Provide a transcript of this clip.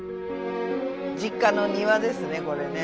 実家の庭ですねこれね。